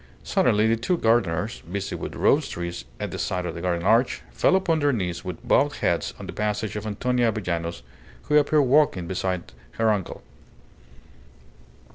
Suddenly the two gardeners, busy with rose trees at the side of the garden arch, fell upon their knees with bowed heads on the passage of Antonia Avellanos, who appeared walking beside her uncle.